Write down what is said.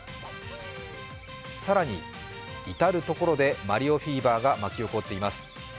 更に、至る所でマリオフィーバーが巻き起こっています。